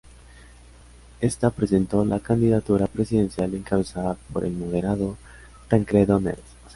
Esta presentó la candidatura presidencial encabezada por el moderado Tancredo Neves.